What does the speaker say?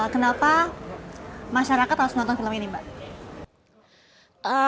kenapa masyarakat harus nonton film ini mbak